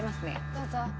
どうぞ。